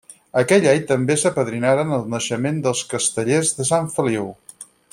Aquell any també apadrinaren el naixement dels Castellers de Sant Feliu.